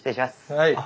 はい。